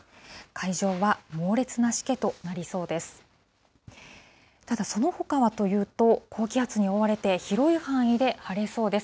海上は猛烈なしけとなりそうです。